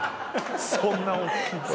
そんなおっきい声？